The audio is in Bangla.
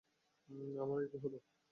আমার এ কী হল!